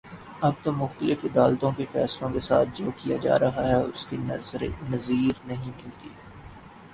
اب تو مختلف عدالتوں کے فیصلوں کے ساتھ جو کیا جا رہا ہے اس کی نظیر نہیں ملتی